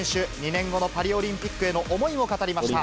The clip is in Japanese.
２年後のパリオリンピックへの思いを語りました。